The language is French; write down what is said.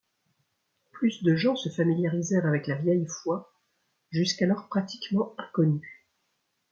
Plus de gens se familiarisèrent avec la vieille foi, jusqu’alors pratiquement inconnue.